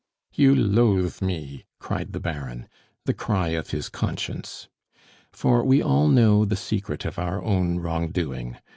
"You loathe me!" cried the Baron the cry of his conscience. For we all know the secret of our own wrong doing.